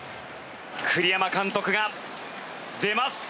栗山監督が出ます。